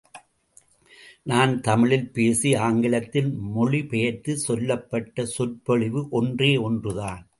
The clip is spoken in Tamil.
நான் தமிழில் பேசி ஆங்கிலத்தில் மொழி பெயர்த்துச் சொல்லப்பட்ட சொற்பொழிவு ஒன்றே ஒன்றுதான்.